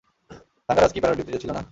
থাঙ্গারাজ কী প্যারা-ডিউটিতে ছিল না?